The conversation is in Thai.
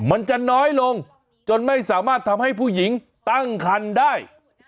มันจะน้อยลงจนไม่สามารถทำให้ผู้หญิงตั้งคันได้